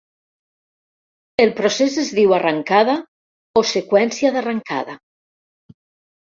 El procés es diu 'arrancada' o 'seqüència d'arrancada'